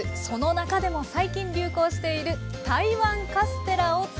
その中でも最近流行している台湾カステラを作ります。